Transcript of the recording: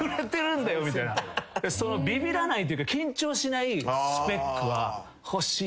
そのビビらないっていうか緊張しないスペックは欲しいなと。